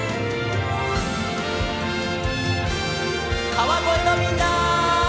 川越のみんな！